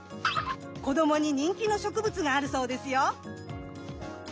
子どもに人気の植物があるそうですよ。